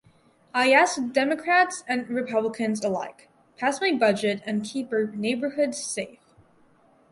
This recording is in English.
I ask Democrats and Republicans alike: Pass my budget and keep our neighborhoods safe.